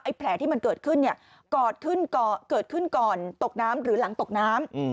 แผลที่มันเกิดขึ้นเนี่ยเกิดขึ้นก่อนตกน้ำหรือหลังตกน้ำ